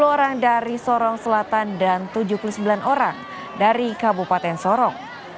sepuluh orang dari sorong selatan dan tujuh puluh sembilan orang dari kabupaten sorong